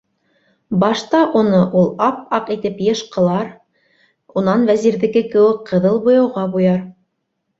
Башта уны ул ап-аҡ итеп йышҡылар, унан Вәзирҙеке кеүек ҡыҙыл буяуға буяр.